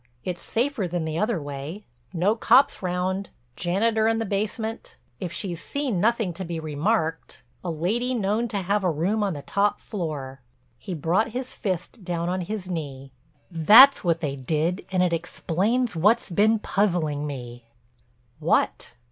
It's safer than the other way—no cops round, janitor in the basement, if she's seen nothing to be remarked—a lady known to have a room on the top floor." He brought his fist down on his knee. "That's what they did and it explains what's been puzzling me." "What?"